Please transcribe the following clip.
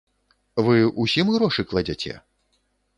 Вы усім грошы кладзяце?